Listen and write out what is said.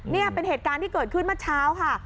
นี่เป็นเหตุการณ์ที่เกิดขึ้นเมื่อเช้าค่ะ